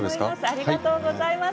ありがとうございます。